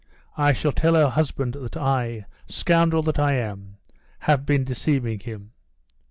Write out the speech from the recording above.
I shall tell her husband that I, scoundrel that I am, have been deceiving him.